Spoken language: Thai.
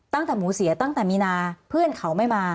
ตั้งแต่หมูเสียตั้งแต่มีนาเพื่อนเขาไม่มา